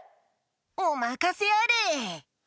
おまかせあれ。